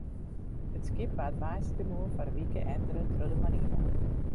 It skip waard woansdeitemoarn foar in wike entere troch de marine.